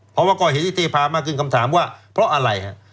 เพราะว่าก่อเหตุที่เทพามากขึ้นคำถามว่าเพราะอะไรฮะ